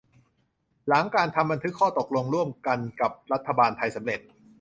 หลังการทำบันทึกข้อตกลงร่วมกันกับรัฐบาลไทยสำเร็จ